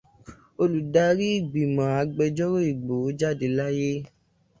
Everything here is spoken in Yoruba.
Olùdarí ìgbìmọ̀ ìgbẹ́jọ́ Ìgbòho jáde láyé.